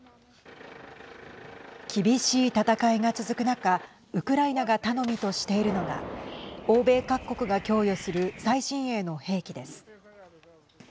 厳しい戦いが続く中ウクライナが頼みとしているのが欧米各国が供与する最新鋭の兵器です。